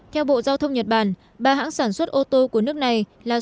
theo bộ giao thông nhật bản ba hãng sản xuất ô tô của nước này là